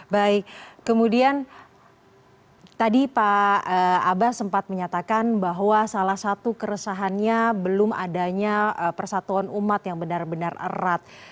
baik kemudian tadi pak abbas sempat menyatakan bahwa salah satu keresahannya belum adanya persatuan umat yang benar benar erat